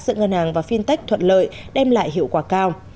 giữa ngân hàng và fintech thuận lợi đem lại hiệu quả cao